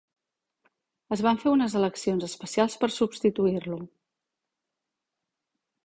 Es van fer unes eleccions especials per substituir-lo.